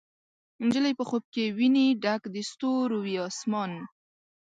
نجلۍ په خوب کې ویني ډک د ستورو، وي اسمان